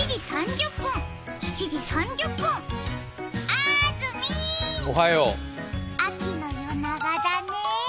あーずみー、秋の夜長だね。